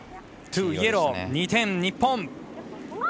２点、日本！